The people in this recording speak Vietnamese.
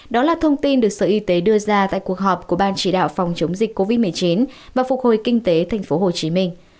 đó là thông tin được sở y tế đưa ra tại cuộc họp của ban chỉ đạo phòng chống dịch covid một mươi chín và phục hồi kinh tế thành phố hồ chí minh